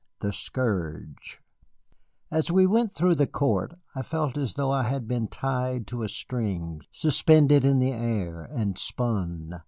THE SCOURGE As we went through the court I felt as though I had been tied to a string, suspended in the air, and spun.